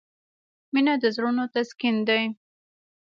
• مینه د زړونو تسکین دی.